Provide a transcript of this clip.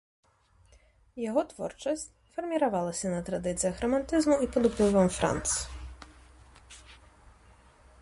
Яго творчасць фарміравалася на традыцыях рамантызму і пад уплывам франц.